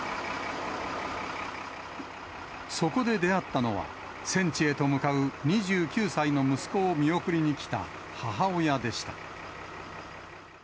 そこで出会ったのは、戦地へと向かう２９歳の息子を見送りに来た母親でした。